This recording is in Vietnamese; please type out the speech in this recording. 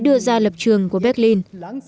đưa ra lập trường của berlin